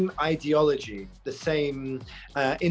dengan ideologi yang sama